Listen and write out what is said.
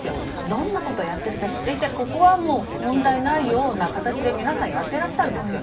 どんなことやってるか知っててここはもう、問題ないよみたいな形で皆さん、やってらしたんですよ。